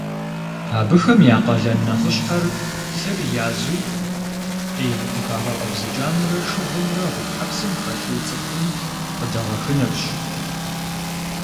Абыхэм я къалэн нэхъыщхьэр - лъыр язу, ӏей къыхагъэкъэбзыкӏамрэ шыгъумрэ гъутхьэпсым хэлъу цӏыхум къыдэгъэхынырщ.